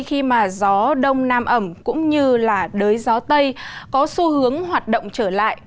khi gió đông nam ẩm cũng như đới gió tây có xu hướng hoạt động trở lại